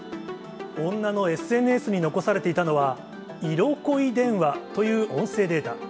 女のＳＮＳに残されていたのは、色恋電話という音声データ。